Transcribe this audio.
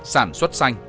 sản xuất xanh